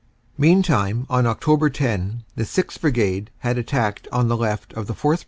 Meantime, on Oct. 10, the 6th. Brigade had attacked on the left of the 4th.